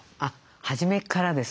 初めからですね。